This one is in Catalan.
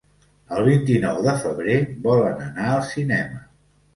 El vint-i-nou de febrer volen anar al cinema.